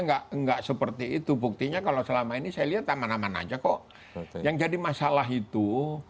enggak enggak seperti itu buktinya kalau selama ini saya lihat aman aman aja kok yang jadi masalah itu